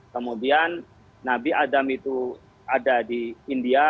kemudian nabi adam itu ada di india